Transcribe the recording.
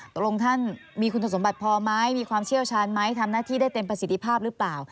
ตรงท่านมีคุณสมบัติพอไหมมีความเชี่ยวชาญไหมทำหน้าที่ได้เต็มประสิทธิภาพหรือเปล่า